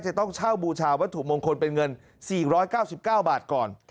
จะต้องเช่าบูชาวัตถุมงคลเป็นเงิน๔๙๙บาทก่อน